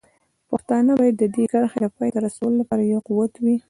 پښتانه باید د دې کرښې د پای ته رسولو لپاره یو قوت وي.